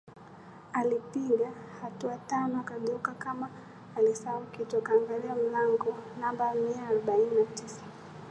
Alipiga hatua tano akageuka kama alisahau kitu akaangalia mlango namba mia arobaini na tisa